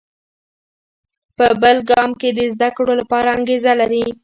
په بل ګام کې د زده کړو لپاره انګېزه لري.